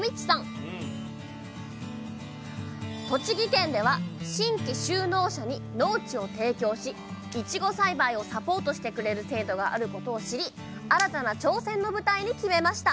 栃木県では新規就農者に農地を提供しいちご栽培をサポートしてくれる制度があることを知り新たな挑戦の舞台に決めました